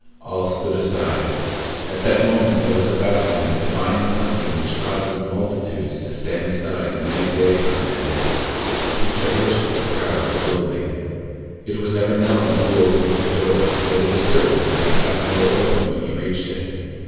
All stood aside. At that moment there was about him that divine something which causes multitudes to stand aside and make way for a man. He traversed the crowd slowly. It was never known who opened the door, but it is certain that he found the door open when he reached it.